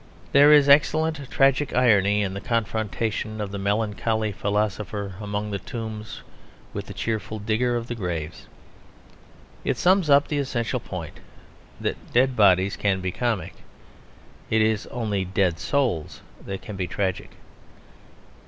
There is excellent tragic irony in the confrontation of the melancholy philosopher among the tombs with the cheerful digger of the graves. It sums up the essential point, that dead bodies can be comic; it is only dead souls that can be tragic.